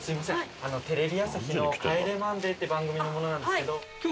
テレビ朝日の『帰れマンデー』って番組の者なんですけど。